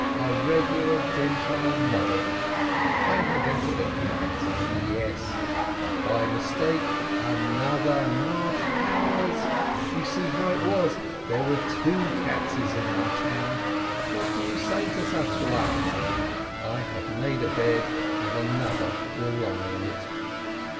A regular Gentile mud dle ! They have entered a Katz — yes ! But, by mistake, another, not ours. You see how it was : there were two Katz's in our town ! What do you say to such luck ? I have made a bed, and another will lie in it!